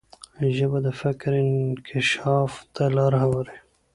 ژبه د فکر انکشاف ته لار هواروي.